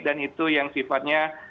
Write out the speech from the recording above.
dan itu yang sifatnya